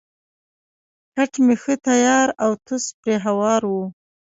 کټ مې ښه تیار او توس پرې هوار وو.